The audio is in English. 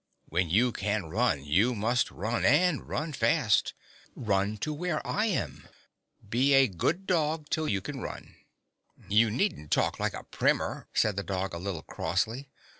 When you can run, you must run, and must run fast. Run to where I am. Be a good dog till you can run." 3 1 GYPSY, THE TALKING DOG " You need n't talk like a primer," said tlie dog, a little crossly.